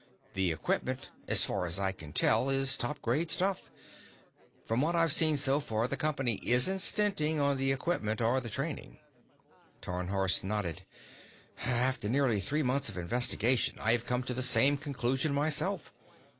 The equipment, as far as I can tell, is top grade stuff. From what I have seen so far, the Company isn't stinting on the equipment or the training." Tarnhorst nodded. "After nearly three months of investigation, I have come to the same conclusion myself.